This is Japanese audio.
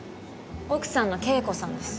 奥さんの啓子さんです。